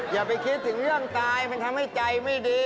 อย่าไปคิดถึงเรื่องตายมันทำให้ใจไม่ดี